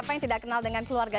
harga adalah keluarga